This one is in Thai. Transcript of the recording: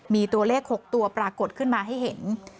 มีตัวเลข๖ตัวปรากฏขึ้นมาให้เห็น